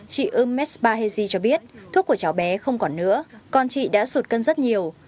chị umesba hezi cho biết thuốc của cháu bé không còn nữa con chị đã sụt cân rất nhiều